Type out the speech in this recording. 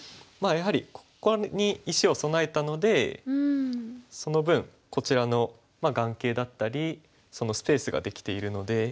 やはりここに石を備えたのでその分こちらの眼形だったりそのスペースができているので。